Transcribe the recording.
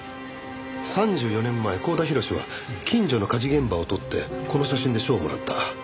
３４年前光田廣は近所の火事現場を撮ってこの写真で賞をもらった。